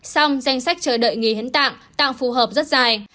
xong danh sách chờ đợi nghỉ hến tạng tạng phù hợp rất dài